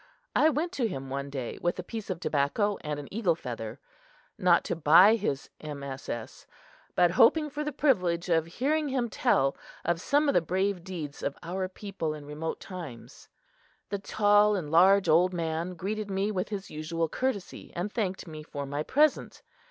I went to him one day with a piece of tobacco and an eagle feather; not to buy his MSS., but hoping for the privilege of hearing him tell of some of the brave deeds of our people in remote times. The tall and large old man greeted me with his usual courtesy and thanked me for my present.